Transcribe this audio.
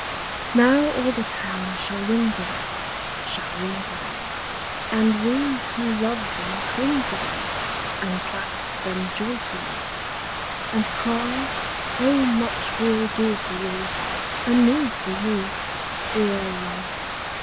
II Now all the town shall ring to them, Shall ring to them, And we who love them cling to them And clasp them joyfully; And cry, "O much we'll do for you Anew for you, Dear Loves!